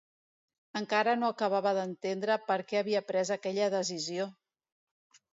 Encara no acabava d'entendre per què havia pres aquella decisió!